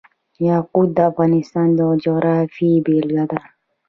یاقوت د افغانستان د جغرافیې بېلګه ده.